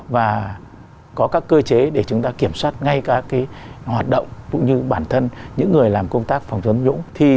và có các cơ chế để chúng ta kiểm soát ngay cả hoạt động cũng như bản thân những người làm công tác phòng chống tham nhũng